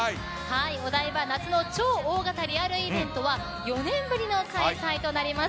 お台場夏の超大型リアルイベントは４年ぶりの開催となります。